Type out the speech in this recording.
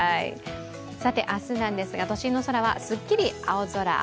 明日なんですが都心の空はすっきり青空。